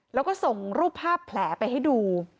แล้วก็ส่งรูปภาพแผลไปให้ดู